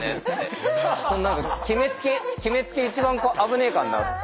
決めつけ一番危ねえからなって。